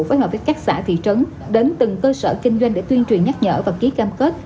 phối hợp với các xã thị trấn đến từng cơ sở kinh doanh để tuyên truyền nhắc nhở và ký cam kết